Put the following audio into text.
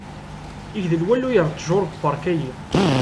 Igdel walluy ɣer ttjuṛ deg upark-ayi.